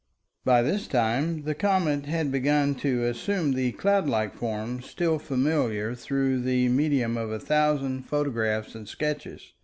By this time the comet had begun to assume the cloudlike form still familiar through the medium of a thousand photographs and sketches.